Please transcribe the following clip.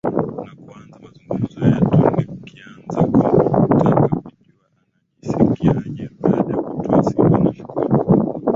na kuanza mazungumzo yetu nikianza kwa kutaka kujua anajisikiaje baada ya kutua SimbaNashukuru